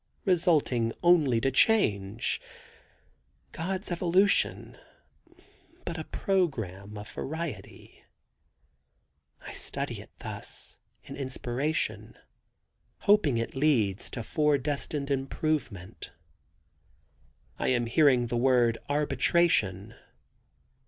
Resulting only to change. God's evolution but a program of variety." I study it thus, in inspiration, hoping it leads to fore destined improvement. I am hearing the word Arbitration.